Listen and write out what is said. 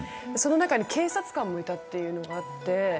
その中に警察官もいたっていうのがあって。